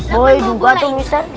boleh juga tuh mister